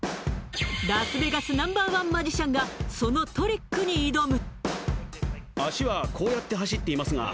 ラスベガスＮｏ．１マジシャンがそのトリックに挑む！